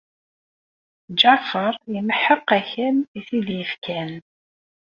Ǧaɛfeṛ imeḥḥeq akal i t-id-yefkan.